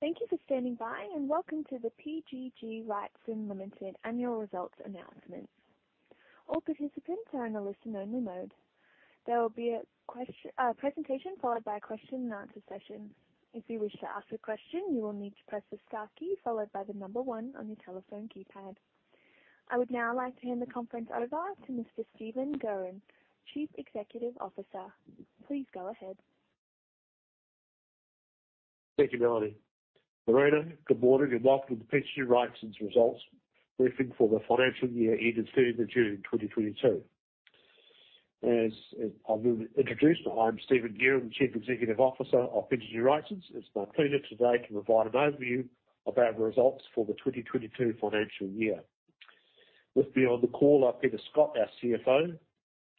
Thank you for standing by, and welcome to the PGG Wrightson Limited annual results announcements. All participants are in a listen only mode. There will be a presentation followed by a question and answer session. If you wish to ask a question, you will need to press the star key followed by the number one on your telephone keypad. I would now like to hand the conference over to Mr. Stephen Guerin, Chief Executive Officer. Please go ahead. Thank you, Melanie. Morning. Good morning, and welcome to the PGG Wrightson's results briefing for the financial year ending 30 June 2022. As I've been introduced, I'm Stephen Guerin, Chief Executive Officer of PGG Wrightson. It's my pleasure today to provide an overview of our results for the 2022 financial year. With me on the call are Peter Scott, our CFO,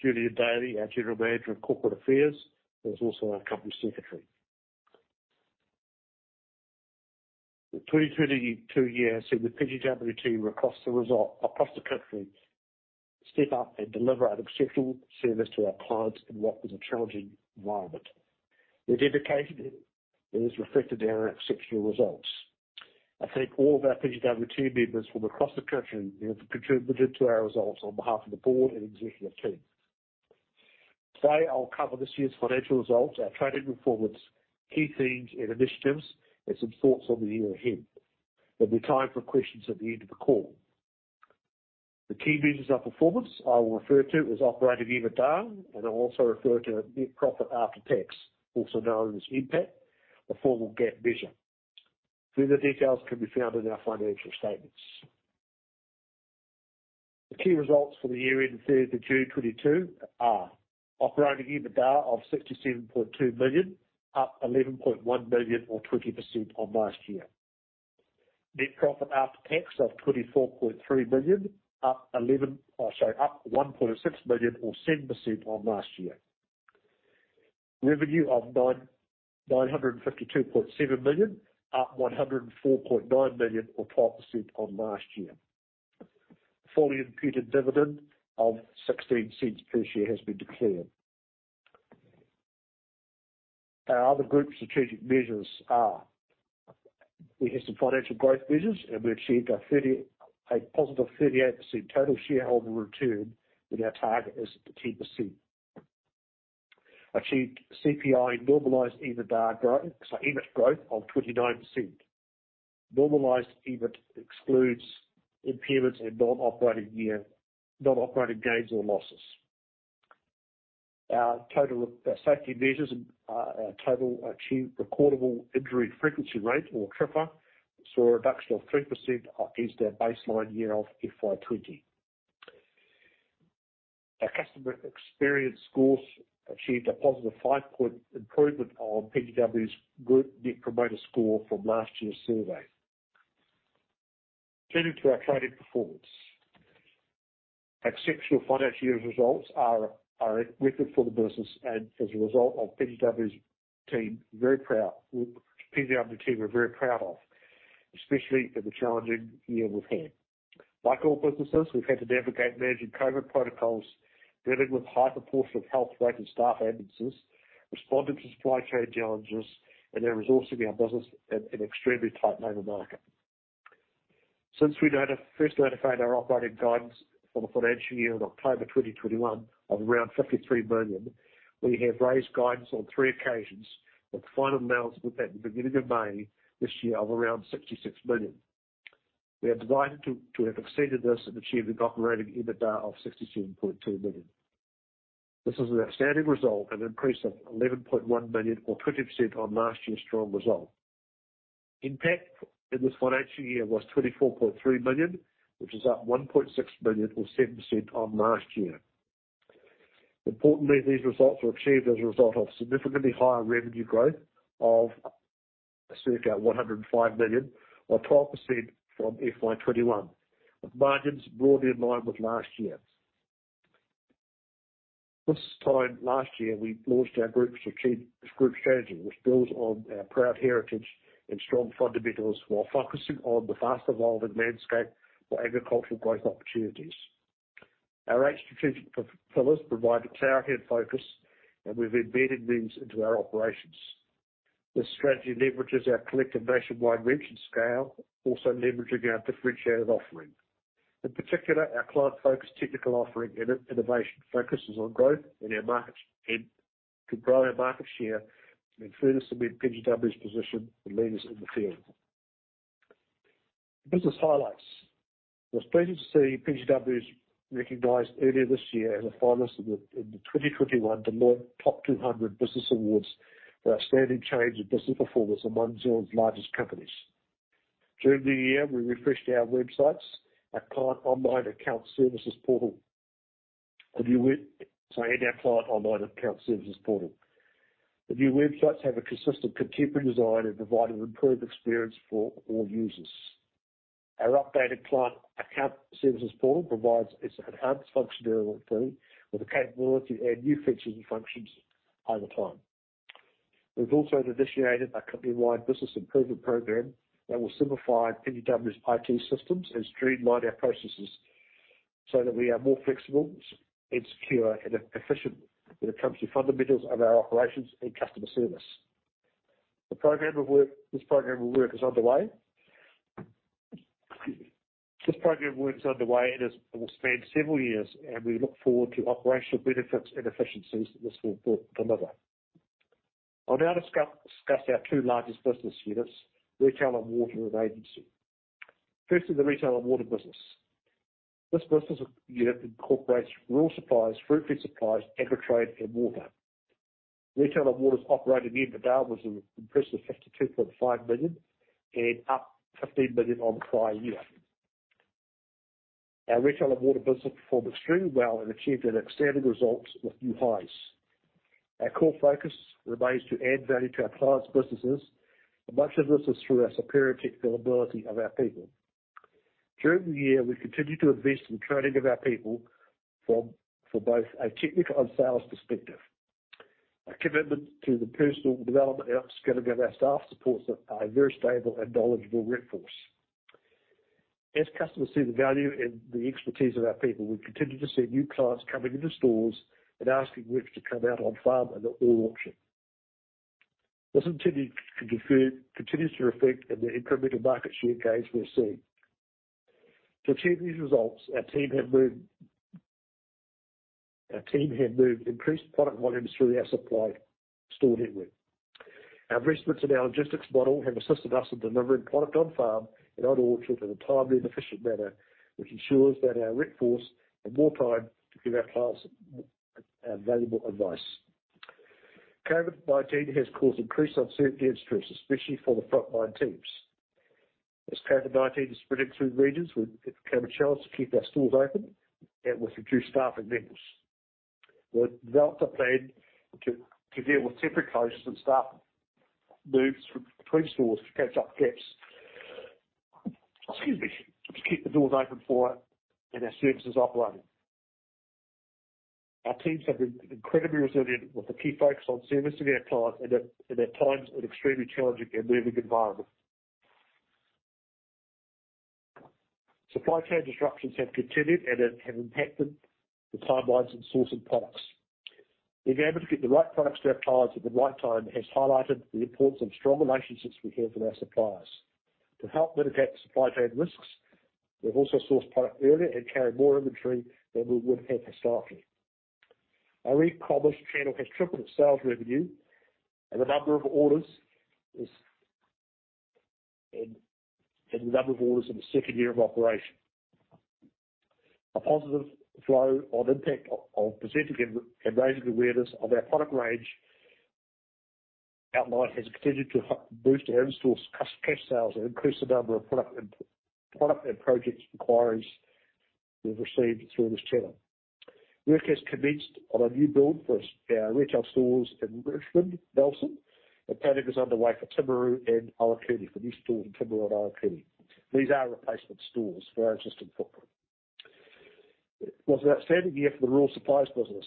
Julian Daly, our General Manager of Corporate Affairs, who is also our Company Secretary. The 2022 year saw the PGW team across the country step up and deliver an exceptional service to our clients in what was a challenging environment. Their dedication is reflected in our exceptional results. I thank all of our PGW team members from across the country who have contributed to our results on behalf of the board and executive team. Today, I'll cover this year's financial results, our trading performance, key themes and initiatives, and some thoughts on the year ahead. There'll be time for questions at the end of the call. The key measures of performance I will refer to as operating EBITDAR, and I'll also refer to net profit after tax, also known as NPAT, the formal GAAP measure. Further details can be found in our financial statements. The key results for the year ending 3 June 2022 are operating EBITDAR of 67.2 million, up 11.1 million or 20% on last year. Net profit after tax of 24.3 million, up 1.6 million or 7% on last year. Revenue of 952.7 million, up 104.9 million or 12% on last year. Fully imputed dividend of 0.16 per share has been declared. Our other group strategic measures are. We have some financial growth measures, and we achieved a positive 38% total shareholder return, and our target is 10%. Achieved CPI normalized EBIT growth of 29%. Normalized EBIT excludes impairments and non-operating gains or losses. Our total safety measures and our total achieved recordable injury frequency rate or TRIFR saw a 3% reduction against our baseline year of FY20. Our customer experience scores achieved a positive 5-point improvement on PGW's Group Net Promoter Score from last year's survey. Turning to our trading performance. Exceptional financial year results are a record for the business and as a result of PGW's team, very proud of PGW team, especially in the challenging year we've had. Like all businesses, we've had to navigate managing COVID protocols, dealing with high proportion of health-related staff absences, responding to supply chain challenges, and then resourcing our business in an extremely tight labor market. Since we first notified our operating guidance for the financial year in October 2021 of around 53 million, we have raised guidance on three occasions, with the final amounts at the beginning of May this year of around 66 million. We are delighted to have exceeded this and achieved operating EBITDAR of 67.2 million. This is an outstanding result, an increase of 11.1 million or 20% on last year's strong result. NPAT in this financial year was 24.3 million, which is up 1.6 million or 7% on last year. Importantly, these results were achieved as a result of significantly higher revenue growth of circa 105 million or 12% from FY21, with margins broadly in line with last year. This time last year, we launched our group strategy, which builds on our proud heritage and strong fundamentals while focusing on the fast-evolving landscape for agricultural growth opportunities. Our eight strategic pillars provide clarity and focus, and we've embedded these into our operations. This strategy leverages our collective nationwide reach and scale, also leveraging our differentiated offering. In particular, our client-focused technical offering and innovation focuses on growth in our market and to grow our market share and further cement PGW's position as leaders in the field. Business highlights. Was pleased to see PGW recognized earlier this year as a finalist in the 2021 Deloitte Top 200 Awards for outstanding change and business performance among New Zealand's largest companies. During the year, we refreshed our websites, our client online account services portal. The new websites have a consistent contemporary design and provide an improved experience for all users. Our updated client account services portal provides its enhanced functionality with the capability to add new features and functions over time. We've also initiated a company-wide business improvement program that will simplify PGW's IT systems and streamline our processes, so that we are more flexible and secure and efficient when it comes to fundamentals of our operations and customer service. The program of work is underway. This program of work is underway and will span several years, and we look forward to operational benefits and efficiencies that this will deliver. I'll now discuss our two largest business units, Retail & Water and Agency. First, in the Retail & Water business. This business unit incorporates Rural Supplies, Fruitfed Supplies, Agritrade, and water. Retail & Water's operating EBITDA was an impressive 52.5 million and up 15 million on the prior year. Our Retail & Water business performed extremely well and achieved outstanding results with new highs. Our core focus remains to add value to our clients' businesses, and much of this is through our superior technical ability of our people. During the year, we continued to invest in the training of our people for both a technical and sales perspective. Our commitment to the personal development and upskilling of our staff supports a very stable and knowledgeable rep force. As customers see the value in the expertise of our people, we continue to see new clients coming into stores and asking reps to come out on-farm and at orchard. This continues to reflect in the incremental market share gains we are seeing. To achieve these results, our team have moved increased product volumes through our supply store network. Our investments in our logistics model have assisted us with delivering product on-farm and at orchard in a timely and efficient manner, which ensures that our rep force have more time to give our clients valuable advice. COVID-19 has caused increased uncertainty and stress, especially for the frontline teams. As COVID-19 has spread into regions, we've overcome a challenge to keep our stores open and with reduced staffing levels. We've developed a plan to deal with temporary closures and staff moves between stores to catch up gaps. Excuse me. To keep the doors open for it and our services operating. Our teams have been incredibly resilient with the key focus on service to their clients and at times an extremely challenging and moving environment. Supply chain disruptions have continued and have impacted the timelines in sourcing products. Being able to get the right products to our clients at the right time has highlighted the importance of strong relationships we have with our suppliers. To help mitigate the supply chain risks, we've also sourced product earlier and carry more inventory than we would have historically. Our e-commerce channel has tripled its sales revenue, and the number of orders in the second year of operation. A positive flow on impact of presenting and raising awareness of our product range online has continued to boost our in-store cash sales and increase the number of product and projects inquiries we've received through this channel. Work has commenced on a new build for our retail stores in Richmond, Nelson, and planning is underway for new stores in Timaru and Otorohanga. These are replacement stores for our existing footprint. It was an outstanding year for the Rural Supplies business.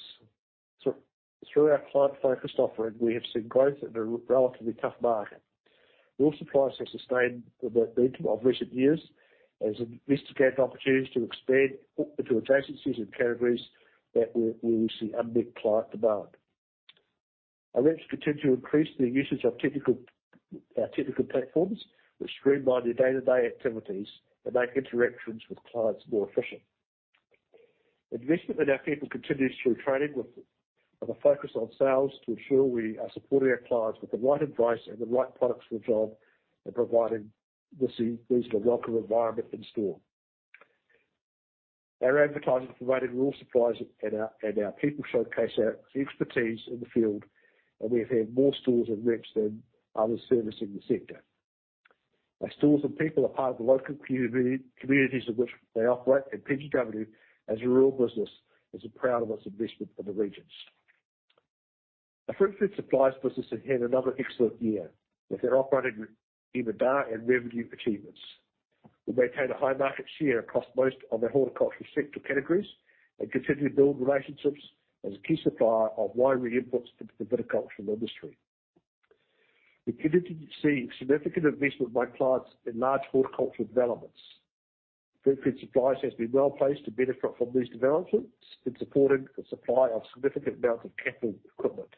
Through our client-focused offering, we have seen growth in a relatively tough market. Rural Supplies has sustained the momentum of recent years as it investigates opportunities to expand into adjacencies and categories that we see unmet client demand. Our reps continue to increase their usage of technical platforms which streamline their day-to-day activities and make interactions with clients more efficient. Investment in our people continues through training with a focus on sales to ensure we are supporting our clients with the right advice and the right products for the job and providing these with a welcome environment in store. Our advertising provided rural suppliers and our people showcase our expertise in the field, and we've had more stores and reps than others servicing the sector. Our stores and people are part of the local communities in which they operate, and PGW as a rural business is proud of its investment in the regions. Our Fruitfed Supplies business had another excellent year with their operating EBITDA and revenue achievements. We maintained a high market share across most of the horticultural sector categories and continued to build relationships as a key supplier of winery inputs to the viticultural industry. We continue to see significant investment by clients in large horticultural developments. Fruitfed Supplies has been well-placed to benefit from these developments in supporting the supply of significant amounts of capital equipment.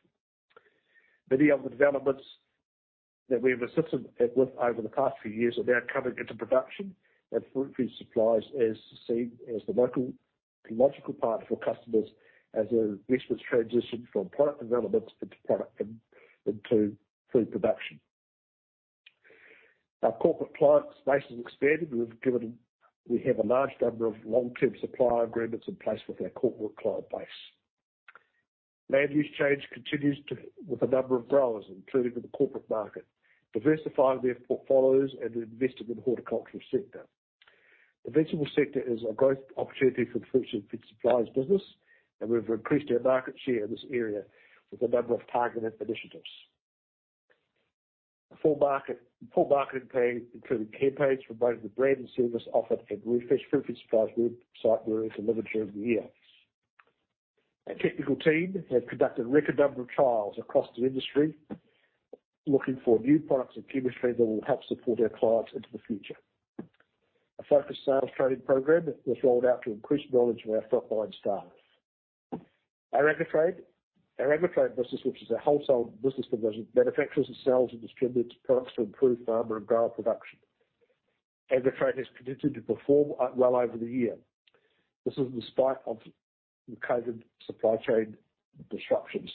Many of the developments that we have assisted with over the past few years are now coming into production, and Fruitfed Supplies is seen as the local logical partner for customers as their business transitions from product developments into product and into food production. Our corporate client space has expanded. We have a large number of long-term supplier agreements in place with our corporate client base. Land use change continues with a number of growers, including in the corporate market, diversifying their portfolios and investing in the horticultural sector. The vegetable sector is a growth opportunity for the Fruitfed Supplies business, and we've increased our market share in this area with a number of targeted initiatives. Full marketing campaigns, including campaigns promoting the brand and service offer for the Fruitfed Supplies group site, were in delivery during the year. Our technical team have conducted record number of trials across the industry, looking for new products and chemistry that will help support our clients into the future. A focused sales training program was rolled out to increase knowledge of our frontline staff. Our Agritrade business, which is a wholesale business division, manufactures and sells and distributes products to improve farmer and grower production. Agritrade has continued to perform well over the year. This is in spite of the COVID supply chain disruptions,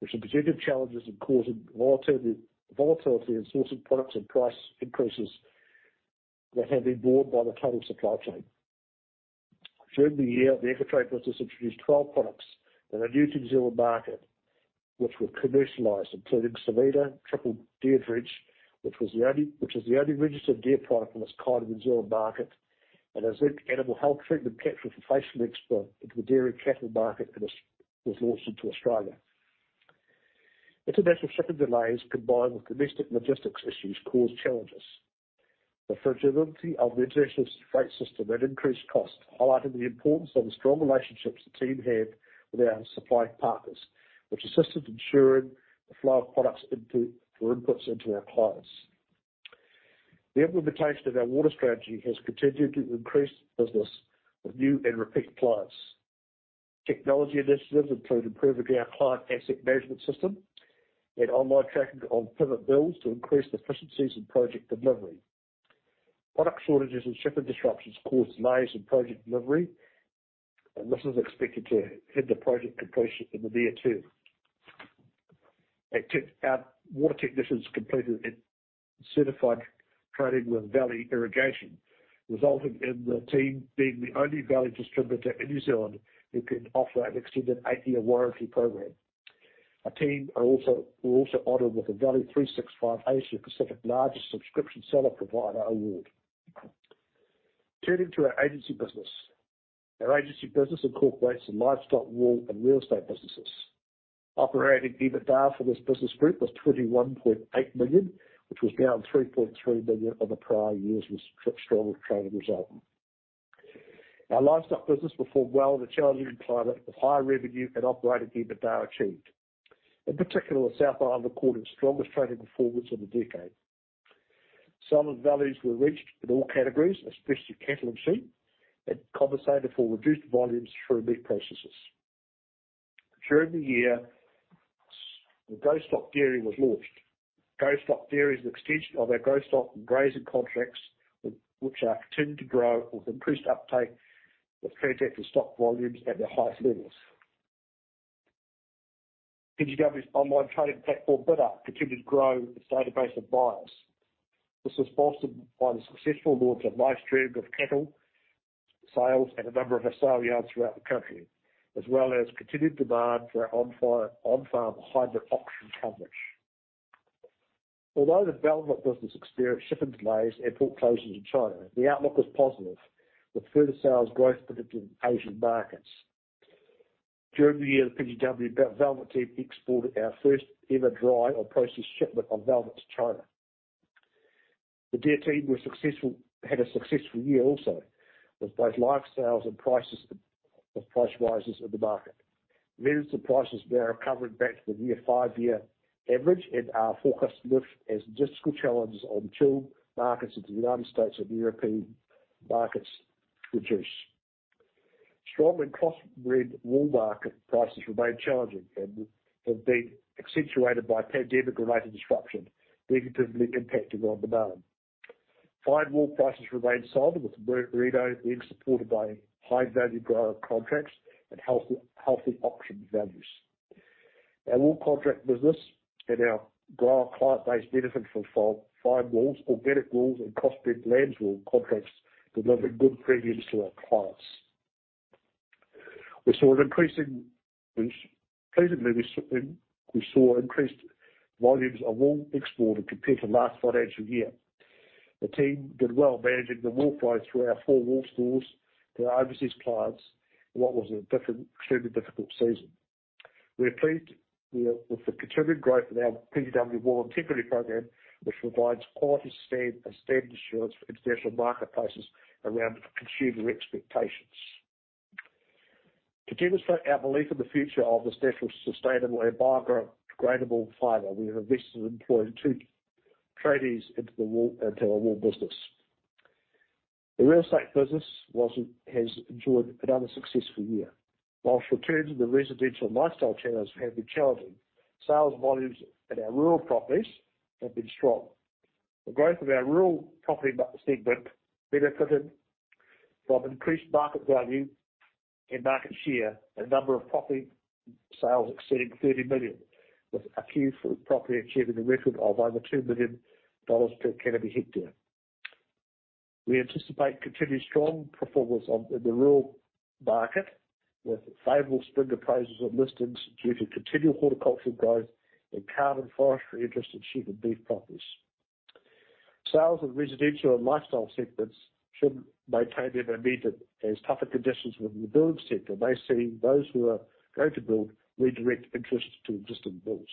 which have presented challenges and caused volatility in sourcing products and price increases that have been borne by the total supply chain. During the year, the Agritrade business introduced 12 products in a new New Zealand market, which were commercialized, including Cervidae Oral, which is the only registered deer product in its kind in New Zealand market, and Zinc animal health treatment for facial eczema into the dairy cattle market and was launched into Australia. International shipping delays, combined with domestic logistics issues, caused challenges. The fragility of the international freight system and increased costs, highlighting the importance of the strong relationships the team have with our supply partners, which assisted ensuring the flow of inputs into our clients. The implementation of our water strategy has continued to increase business with new and repeat clients. Technology initiatives include improving our client asset management system and online tracking on private bills to increase efficiencies in project delivery. Product shortages and shipping disruptions caused delays in project delivery, and this is expected to hit the project completion in the year two. Our water technicians completed a certified training with Valley Irrigation, resulting in the team being the only Valley distributor in New Zealand who can offer an extended 8-year warranty program. Our team were also honored with the Valley 365 Asia Pacific Largest Subscription Seller Provider award. Turning to our agency business. Our agency business incorporates the livestock, wool, and real estate businesses. Operating EBITDA for this business group was 21.8 million, which was down 3.3 million on the prior year's strong trading result. Our livestock business performed well in a challenging climate, with high revenue and operating EBITDA achieved. In particular, the South Island recorded its strongest trading performance in a decade. Sale values were reached in all categories, especially cattle and sheep, and compensated for reduced volumes through meat processors. During the year, GO-STOCK Dairy was launched. GO-STOCK Dairy is an extension of our GO-STOCK grazing contracts, which are continuing to grow, with increased uptake of trade active stock volumes at their highest levels. PGW's online trading platform, bidr, continued to grow its database of buyers. This was fostered by the successful launch of live stream of cattle sales at a number of our sale yards throughout the country, as well as continued demand for our on-farm hybrid auction coverage. Although the velvet business experienced shipping delays and port closures in China, the outlook was positive, with further sales growth predicted in Asian markets. During the year, the PGW velvet team exported our first ever dried or processed shipment of velvet to China. The deer team had a successful year also, with both live sales and price rises in the market. Venison prices are now recovering back to the near five-year average and are forecast to lift as logistical challenges on two markets into the United States and European markets reduce. Strong and crossbred wool market prices remain challenging and have been accentuated by pandemic-related disruptions, negatively impacting on demand. Fine wool prices remained solid, with Merino being supported by high-value grower contracts and healthy auction values. Our wool contract business and our grower client base benefited from fine wools, organic wools, and crossbred lambs wool contracts, delivering good premiums to our clients. We saw increased volumes of wool exported compared to last financial year. The team did well managing the wool flow through our four wool stores to our overseas clients in what was a different, extremely difficult season. We are pleased with the continued growth in our PGW Wool Integrity Program, which provides quality standard assurance for international market places around consumer expectations. To demonstrate our belief in the future of this natural, sustainable, and biodegradable fiber, we have invested and employed two trainees into our wool business. The real estate business has enjoyed another successful year. While returns in the residential and lifestyle channels have been challenging, sales volumes at our rural properties have been strong. The growth of our rural property segment benefited from increased market value and market share, a number of property sales exceeding 30 million, with a few properties achieving a record of over 2 million dollars per canopy hectare. We anticipate continued strong performance in the rural market, with favorable spring appraisals and listings due to continual horticultural growth and carbon forestry interest in sheep and beef properties. Sales of residential and lifestyle segments should maintain momentum, as tougher conditions within the building sector may see those who are going to build redirect interest to existing builds.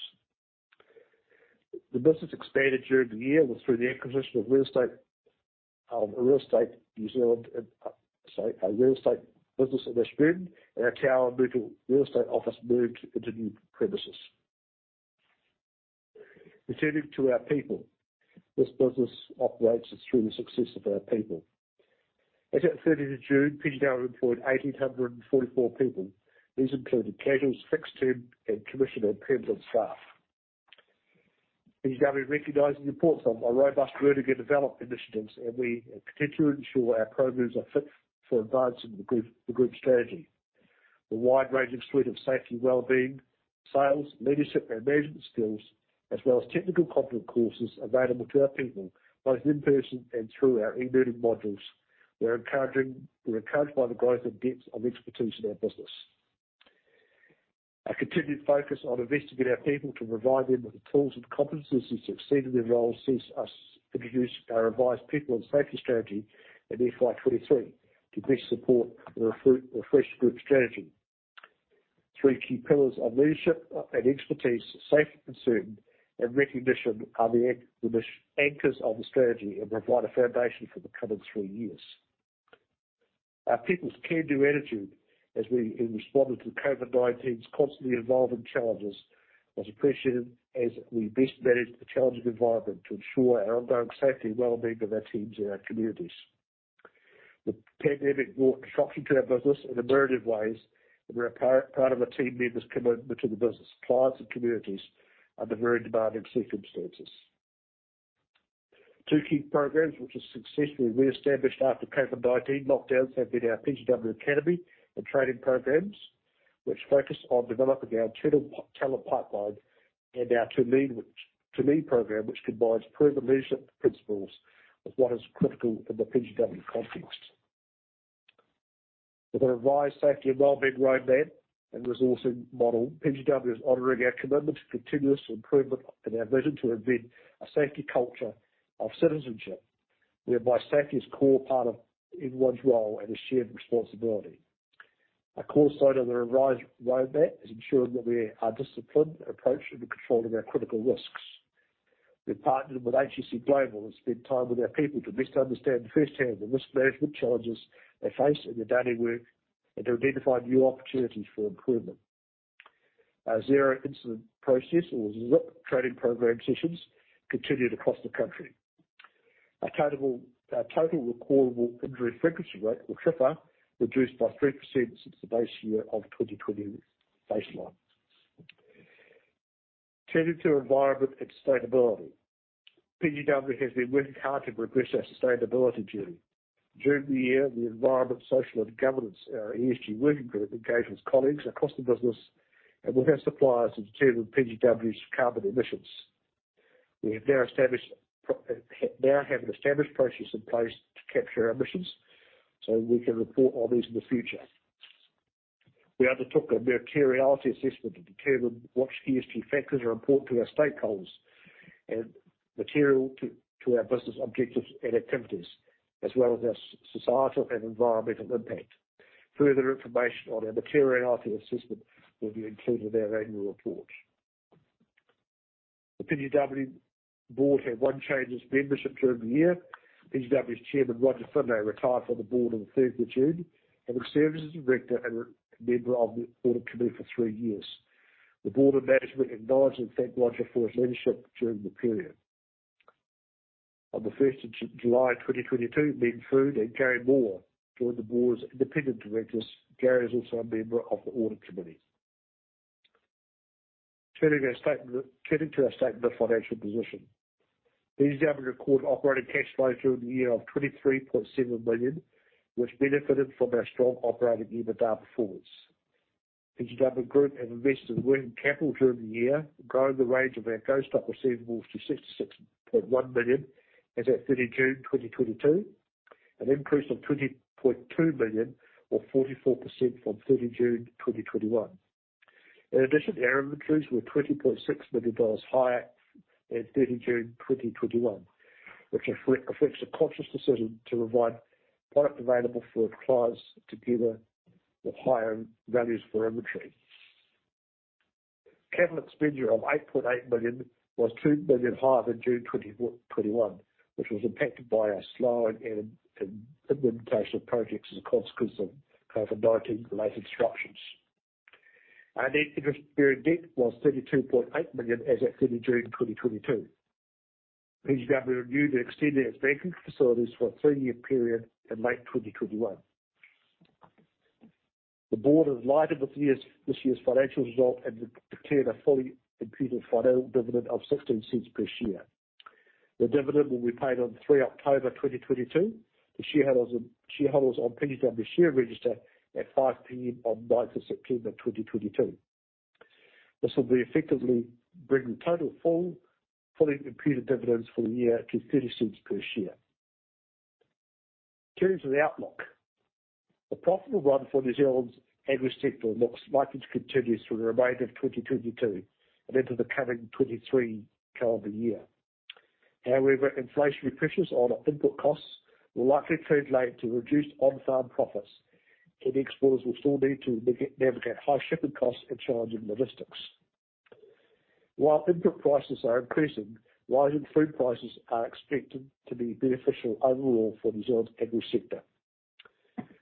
The business expanded during the year through the acquisition of a real estate business in Ashburton, and our town and rural real estate office moved into new premises. Returning to our people. This business operates through the success of our people. As at 30 June, PGW employed 1,844 people. These included casual, fixed-term, and commission and permanent staff. PGW recognizes the importance of our robust learning and development initiatives, and we continue to ensure our programs are fit for advancing the group strategy. The wide-ranging suite of safety and well-being, sales, leadership, and management skills, as well as technical competency courses available to our people, both in person and through our e-learning modules. We're encouraged by the growth and depth of expertise in our business. Our continued focus on investing in our people to provide them with the tools and competencies to succeed in their roles sees us introduce our revised people and safety strategy in FY23 to best support the refreshed group strategy. Three key pillars are leadership and expertise, safety, concern, and recognition are the anchors of the strategy and provide a foundation for the coming three years. Our people's can-do attitude as we in responding to COVID-19's constantly evolving challenges was appreciated as we best managed the challenging environment to ensure our ongoing safety and well-being of our teams and our communities. The pandemic brought disruption to our business in a myriad of ways, and we're a part of our team members commitment to the business, clients, and communities under very demanding circumstances. Two key programs, which was successfully re-established after COVID-19 lockdowns, have been our PGW Academy and training programs, which focus on developing our talent pipeline and our To Lead program, which combines proven leadership principles of what is critical in the PGW context. With a revised safety and well-being roadmap and resourcing model, PGW is honoring our commitment to continuous improvement and our vision to embed a safety culture of citizenship, whereby safety is a core part of everyone's role and a shared responsibility. A core aspect of the revised roadmap is ensuring a disciplined approach in the control of our critical risks. We've partnered with HSE Global and spent time with our people to best understand firsthand the risk management challenges they face in their daily work and to identify new opportunities for improvement. Our zero incident process or ZIP training program sessions continued across the country. Our total recordable injury frequency rate or TRIFR reduced by 3% since the base year of 2020 baseline. Turning to environment and sustainability. PGW has been working hard to progress our sustainability journey. During the year, the Environment, Social, and Governance, ESG working group engaged with colleagues across the business and with our suppliers to determine PGW's carbon emissions. We now have an established process in place to capture our emissions, so we can report on these in the future. We undertook a materiality assessment to determine which ESG factors are important to our stakeholders and material to our business objectives and activities, as well as our societal and environmental impact. Further information on our materiality assessment will be included in our annual report. The PGW board had one change in its membership during the year. PGW's chairman, Rodger Finlay, retired from the board on the third of June, having served as a director and member of the audit committee for three years. The board and management acknowledge and thank Rodger for his leadership during the period. On the first of July 2022, Meng Foon and Garry Moore joined the board as independent directors. Gary is also a member of the audit committee. Turning to our statement of financial position. PGW recorded operating cash flow during the year of 23.7 million, which benefited from our strong operating EBITDA performance. PGW Group have invested in working capital during the year, growing the range of our GO-STOCK receivables to 66.1 million as at 30 June 2022, an increase of 20.2 million or 44% from 30 June 2021. In addition, our inventories were 20.6 million dollars higher than 30 June 2021, which reflects a conscious decision to provide product available for our clients together with higher values for inventory. Capital expenditure of 8.8 million was 2 million higher than June 2021, which was impacted by our slower implementation of projects as a consequence of COVID-19 related disruptions. Our net interest bearing debt was 32.8 million as at 30 June 2022. PGW reviewed and extended its banking facilities for a three-year period in late 2021. The board, in light of this year's financial result, have declared a fully imputed final dividend of 0.16 per share. The dividend will be paid on 3 October 2022 to shareholders on PGW share register at 5 P.M. on 9 September 2022. This will effectively bring total fully computed dividends for the year to 0.30 per share. Turning to the outlook. The profitable run for New Zealand's agri sector looks likely to continue through the remainder of 2022 and into the coming 2023 calendar year. However, inflationary pressures on input costs will likely translate to reduced on-farm profits, and exporters will still need to navigate high shipping costs and challenging logistics. While input prices are increasing, rising food prices are expected to be beneficial overall for New Zealand's agri sector.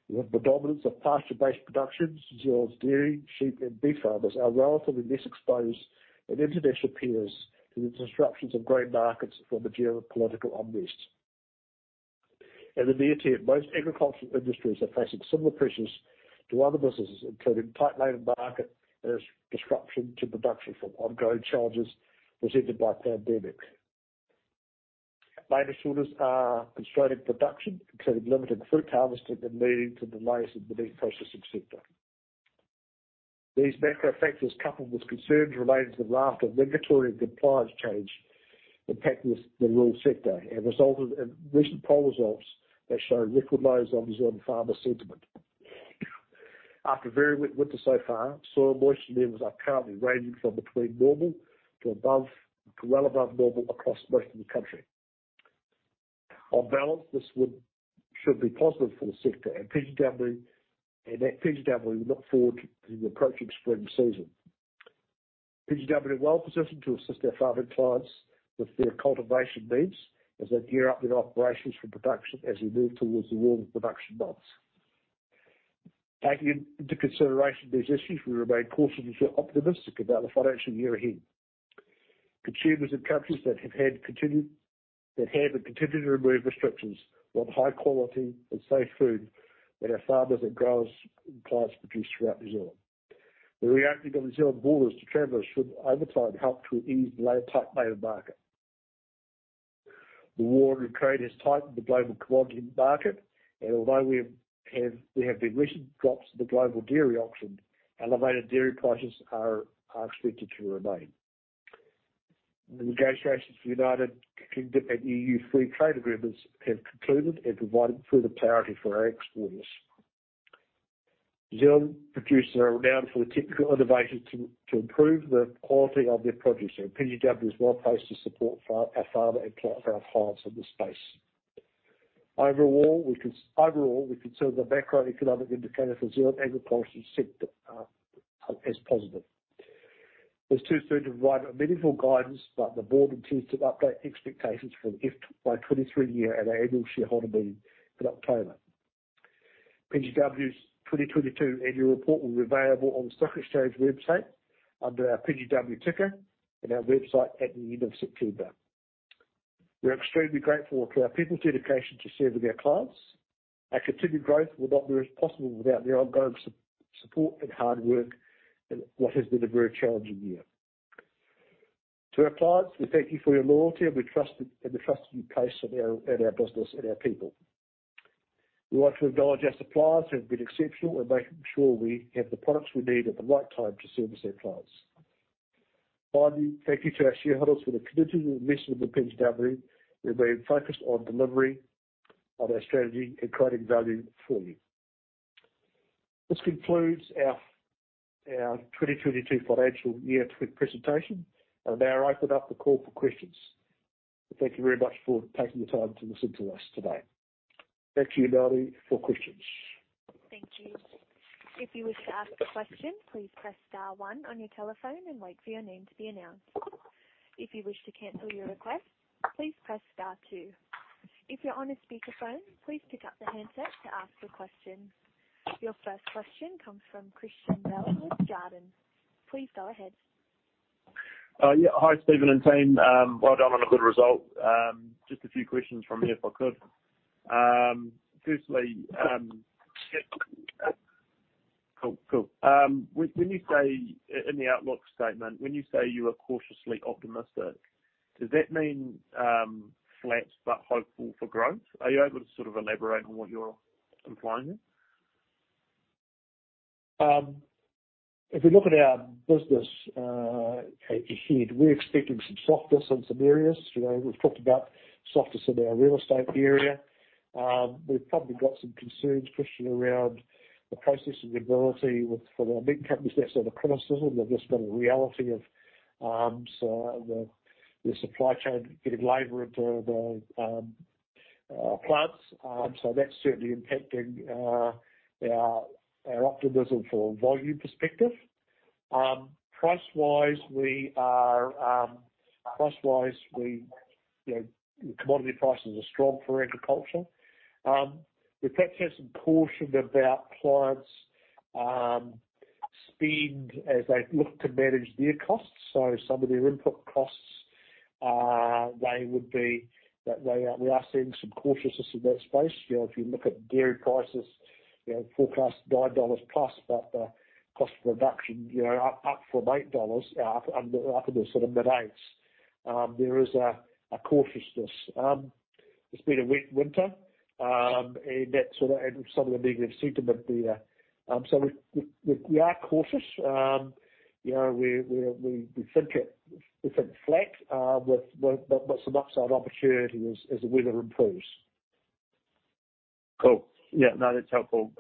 With the dominance of pasture-based productions, New Zealand's dairy, sheep, and beef farmers are relatively less exposed than international peers to the disruptions of global markets from the geopolitical unrest. In the near term, most agricultural industries are facing similar pressures to other businesses, including tight labor market and its disruption to production from ongoing challenges presented by pandemic. Labor shortages are constraining production, including limited fruit harvesting and leading to delays in the meat processing sector. These macro factors, coupled with concerns relating to the raft of regulatory and compliance change impacting the rural sector, have resulted in recent poll results that show record lows on New Zealand farmer sentiment. After a very wet winter so far, soil moisture levels are currently ranging from between normal to above, to well above normal across most of the country. On balance, this should be positive for the sector, and at PGW, we look forward to the approaching spring season. PGW are well positioned to assist our farming clients with their cultivation needs as they gear up their operations for production as we move towards the warmer production months. Taking into consideration these issues, we remain cautiously optimistic about the financial year ahead. Consumers and countries that have and continue to remove restrictions want high quality and safe food that our farmers and growers and clients produce throughout New Zealand. The reopening of New Zealand borders to travelers should over time help to ease the tight labor market. The war in Ukraine has tightened the global commodity market. Although there have been recent drops in the global dairy auction, elevated dairy prices are expected to remain. The negotiations for United Kingdom and EU free trade agreements have concluded and provided further clarity for our exporters. New Zealand producers are renowned for their technical innovation to improve the quality of their produce, so PGW is well-placed to support our farmers and our clients in this space. Overall, we consider the macroeconomic indicators for New Zealand agriculture sector as positive. It's too soon to provide meaningful guidance, but the board intends to update expectations for FY23 at our annual shareholder meeting in October. PGW's 2022 annual report will be available on the stock exchange website under our PGW ticker and our website at the end of September. We're extremely grateful to our people's dedication to serving our clients. Our continued growth would not be as possible without their ongoing support and hard work in what has been a very challenging year. To our clients, we thank you for your loyalty and the trust you place in our business and our people. We'd like to acknowledge our suppliers who have been exceptional in making sure we have the products we need at the right time to service our clients. Finally, thank you to our shareholders for their continued investment in PGW. We remain focused on delivery of our strategy and creating value for you. This concludes our 2022 financial year presentation. I'll now open up the call for questions. Thank you very much for taking the time to listen to us today. Back to you, Melanie, for questions. Thank you. If you wish to ask a question, please press star one on your telephone and wait for your name to be announced. If you wish to cancel your request, please press star two. If you're on a speakerphone, please pick up the handset to ask the question. Your first question comes from Christian Bell with Jarden. Please go ahead. Yeah. Hi, Stephen and team. Well done on a good result. Just a few questions from me if I could. Firstly, when you say in the outlook statement, when you say you are cautiously optimistic, does that mean flat but hopeful for growth? Are you able to sort of elaborate on what you're implying there? If we look at our business ahead, we're expecting some softness in some areas. You know, we've talked about softness in our real estate area. We've probably got some concerns, Christian, around the processing ability for our meat companies. That's not a criticism, that's just been a reality of the supply chain getting labor into the plants. So that's certainly impacting our optimism for volume perspective. Price-wise, you know, commodity prices are strong for agriculture. We've actually had some caution about clients spend as they look to manage their costs. Some of their input costs, we are seeing some cautiousness in that space. You know, if you look at dairy prices, you know, forecast 9+ dollars, but the cost of production, you know, up from 8 dollars, up in the sort of mid 8s, there is a cautiousness. It's been a wet winter, and that sort of some of the negative sentiment there. So we are cautious. You know, we think flat with but some upside opportunity as the weather improves. Cool. Yeah, no, that's helpful.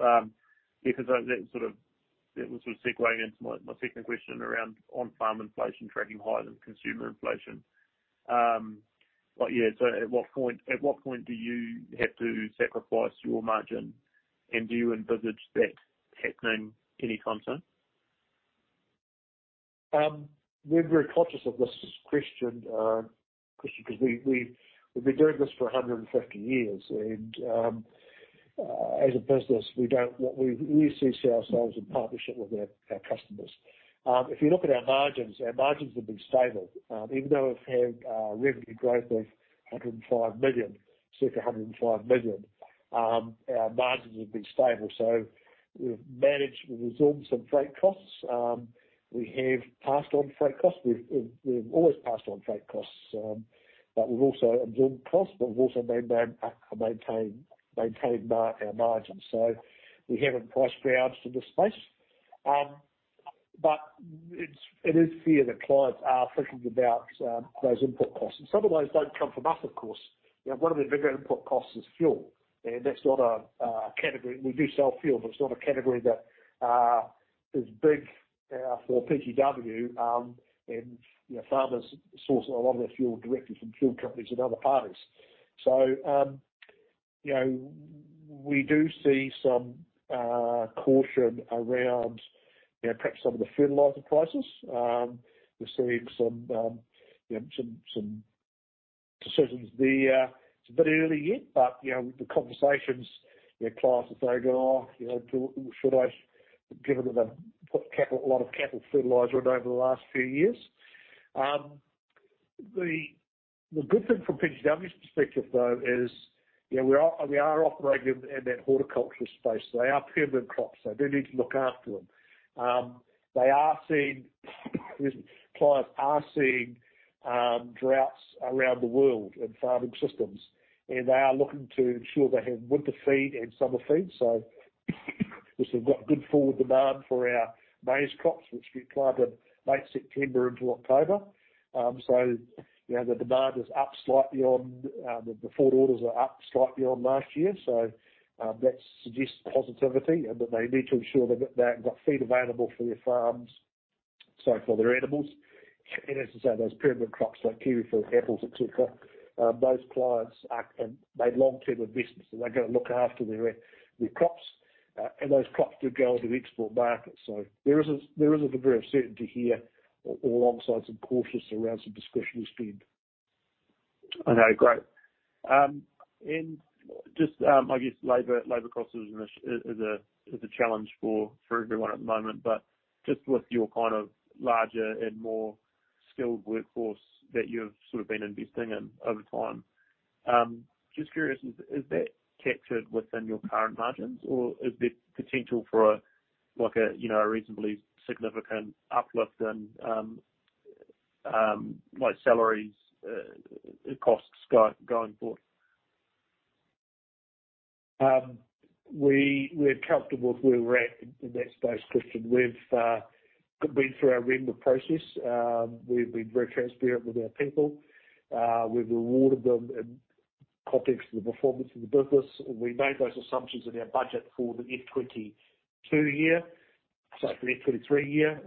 Because that was sort of segueing into my second question around on-farm inflation tracking higher than consumer inflation. Yeah, so at what point do you have to sacrifice your margin? And do you envisage that happening any time soon? We're very conscious of this, Christian, because we've been doing this for 150 years and, as a business, we see ourselves in partnership with our customers. If you look at our margins, our margins have been stable. Even though we've had revenue growth of 105 million, our margins have been stable. So we've managed, we've absorbed some freight costs. We have passed on freight costs. We've always passed on freight costs. But we've also absorbed costs, maintained our margins. So we haven't price gouged in this space. But it is fair that clients are thinking about those input costs. Some of those don't come from us, of course. You know, one of the bigger input costs is fuel. That's not a category. We do sell fuel, but it's not a category that is big for PGW, and you know, farmers source a lot of their fuel directly from fuel companies and other parties. You know, we do see some caution around you know, perhaps some of the fertilizer prices. We're seeing some decisions there. It's a bit early yet, but you know, the conversations, the clients are saying, "Oh, you know, should I, given that I've put capital, a lot of capital fertilizer on over the last few years?" The good thing from PGW's perspective, though, is you know, we are operating in that horticultural space. They are permanent crops, so they do need to look after them. Clients are seeing droughts around the world in farming systems, and they are looking to ensure they have winter feed and summer feed. We've still got good forward demand for our maize crops, which we planted late September into October. You know, the forward orders are up slightly on last year. That suggests positivity and that they need to ensure they've got feed available for their farms, so for their animals. As I say, those permanent crops like kiwi fruit, apples, et cetera, those clients have made long-term investments and they're gonna look after their crops. Those crops do go into the export market. There is a degree of certainty here alongside some caution around some discretionary spend. I know. Great. I guess labor costs is a challenge for everyone at the moment. Just with your kind of larger and more skilled workforce that you've sort of been investing in over time, just curious, is that captured within your current margins or is there potential for like a you know a reasonably significant uplift in like salaries costs going forward? We're comfortable with where we're at in that space, Christian. We've been through our remuneration process. We've been very transparent with our people. We've rewarded them in context of the performance of the business. We made those assumptions in our budget for the FY22 year. Sorry, for the FY23 year.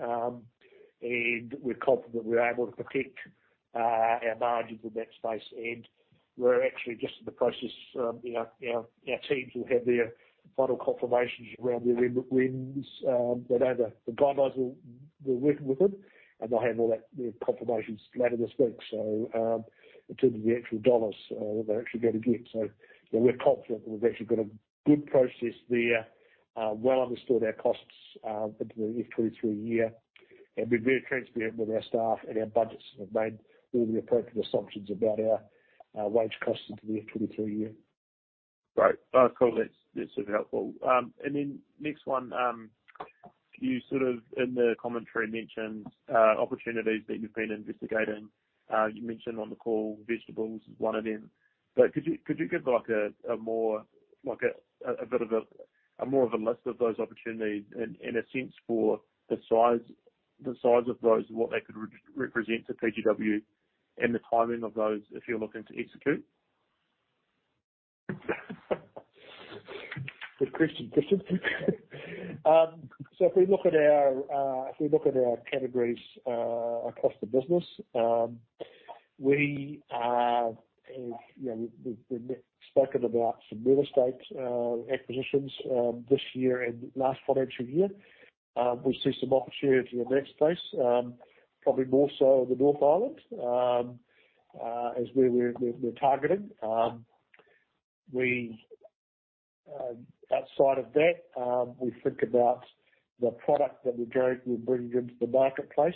We're confident we're able to protect our margins in that space. We're actually just in the process, you know, our teams will have their final confirmations around their remuneration, they'll know the guidelines we're working with them, and they'll have all that, the confirmations later this week. In terms of the actual dollars that they're actually going to get. You know, we're confident that we've actually got a good process there, well understood our costs into the FY23 year, and been very transparent with our staff and our budgets and have made all the appropriate assumptions about our wage costs into the FY23 year. Great. Cool. That's super helpful. Next one, you sort of in the commentary mentioned opportunities that you've been investigating. You mentioned on the call vegetables is one of them. Could you give like a bit more of a list of those opportunities in a sense for the size of those and what they could represent to PGW and the timing of those if you're looking to execute? Good question, Christian. So if we look at our categories across the business, we are, you know, we've spoken about some real estate acquisitions this year and last financial year. We see some opportunity in that space, probably more so in the North Island as where we're targeting. Outside of that, we think about the product that we're bringing into the marketplace.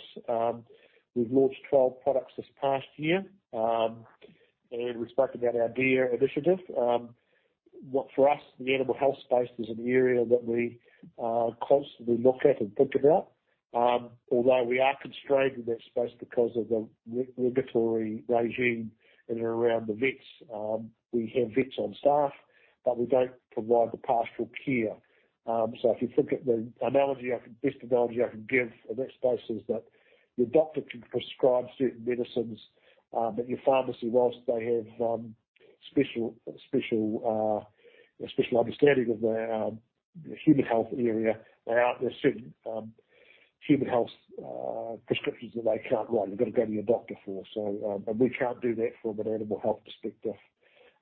We've launched 12 products this past year, and we've spoken about our deer initiative. What for us, the animal health space is an area that we constantly look at and think about. Although we are constrained in that space because of the regulatory regime in and around the vets, we have vets on staff, but we don't provide the pastoral care. If you think of the best analogy I can give for that space is that your doctor can prescribe certain medicines, but your pharmacy, while they have special understanding of the human health area, they aren't the same human health prescriptions that they can't write. You've got to go to your doctor for. We can't do that from an animal health perspective.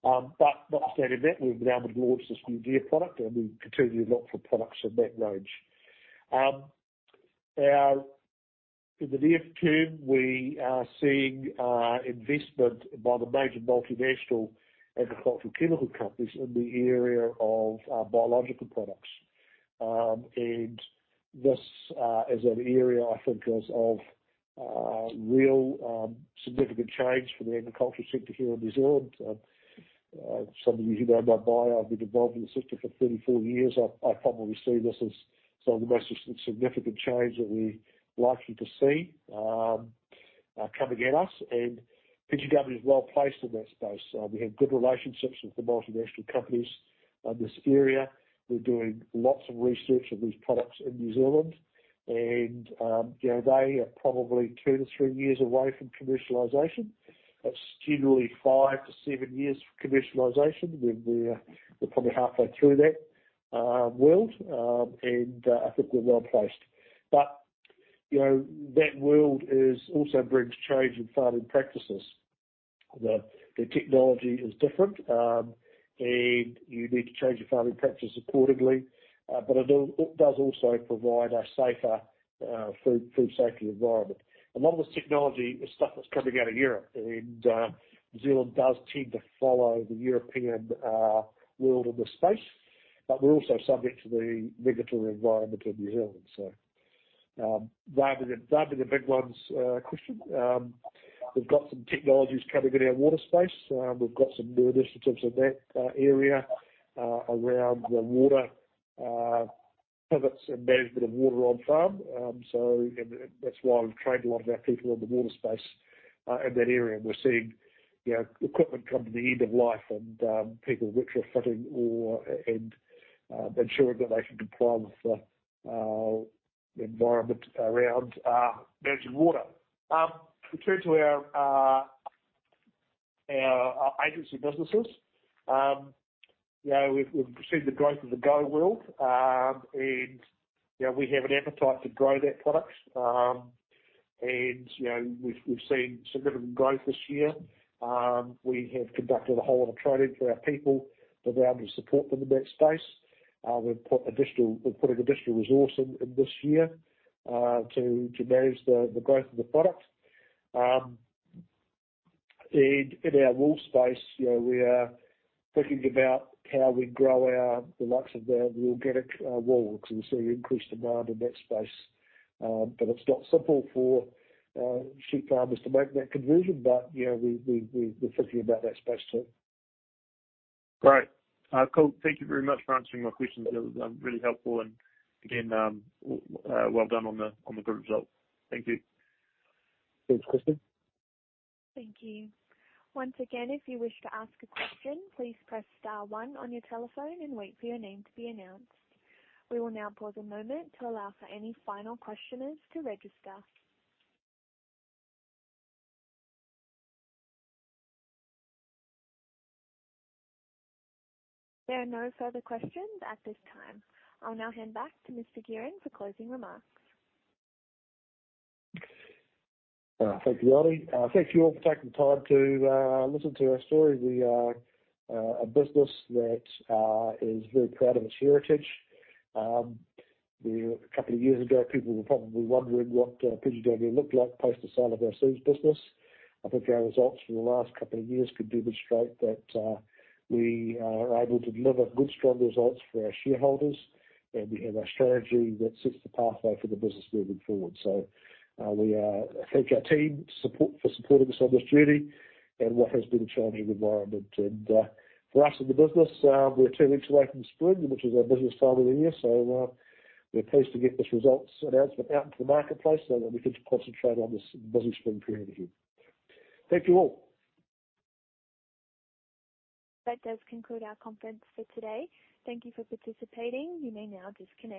Notwithstanding that, we've been able to launch this new deer product and we continue to look for products in that range. In the near term, we are seeing investment by the major multinational agricultural chemical companies in the area of biological products. This is an area I think is of real significant change for the agricultural sector here in New Zealand. Some of you who know my bio, I've been involved in the sector for 30, 40 years. I probably see this as some of the most significant change that we're likely to see coming at us, and PGG Wrightson is well placed in that space. We have good relationships with the multinational companies in this area. We're doing lots of research on these products in New Zealand and you know they are probably 2-3 years away from commercialization. It's generally 5-7 years for commercialization. We're probably halfway through that world. I think we're well placed. You know, that world also brings change in farming practices. The technology is different, and you need to change your farming practices accordingly, but it does also provide a safer food safety environment. A lot of this technology is stuff that's coming out of Europe, and New Zealand does tend to follow the European world in this space, but we're also subject to the regulatory environment of New Zealand. They are the big ones, Christian. We've got some technologies coming in our water space. We've got some new initiatives in that area, around the water pivots and management of water on farm. That's why we've trained a lot of our people in the water space in that area. We're seeing, you know, equipment come to the end of life and people retrofitting and ensuring that they can comply with the environment around managing water. In terms of our agency businesses, you know, we've seen the growth of the GO-STOCK, and you know, we have an appetite to grow that product. You know, we've seen significant growth this year. We have conducted a whole lot of training for our people to be able to support them in that space. We're putting additional resource in this year to manage the growth of the product. In our wool space, you know, we are thinking about how we grow our, the likes of our organic wool because we're seeing increased demand in that space, but it's not simple for sheep farmers to make that conversion. You know, we're thinking about that space too. Great. Cool. Thank you very much for answering my questions. It was really helpful. Again, well done on the good result. Thank you. Thanks, Christian. Thank you. Once again, if you wish to ask a question, please press star one on your telephone and wait for your name to be announced. We will now pause a moment to allow for any final questioners to register. There are no further questions at this time. I'll now hand back to Mr. Guerin for closing remarks. Thank you, Melanie. Thank you all for taking the time to listen to our story. We are a business that is very proud of its heritage. A couple of years ago, people were probably wondering what PGG Wrightson looked like post the sale of our seeds business. I think our results for the last couple of years could demonstrate that we are able to deliver good, strong results for our shareholders, and we have a strategy that sets the pathway for the business moving forward. We thank our team support for supporting us on this journey and what has been a challenging environment. For us in the business, we're two weeks away from spring, which is our busiest time of the year. We're pleased to get this results announcement out into the marketplace so that we can concentrate on this busy spring period ahead. Thank you all. That does conclude our conference for today. Thank you for participating. You may now disconnect.